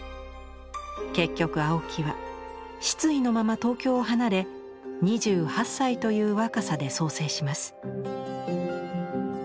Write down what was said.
結局青木は失意のまま東京を離れ２８歳という若さで早世します。